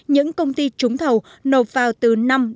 những công ty trúng thầu nộp vào từ năm mươi